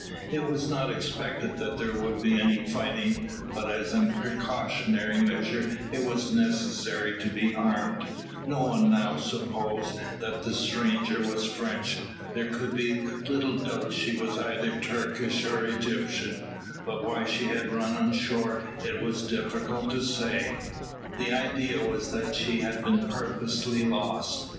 It was not expected that there would be any fighting, but as a precautionary measure it was necessary to be armed. No one now supposed that the stranger was French. There could be little doubt she was either Turkish or Egyptian, but why she had run on shore it was difficult to say. The idea was that she had been purposely lost.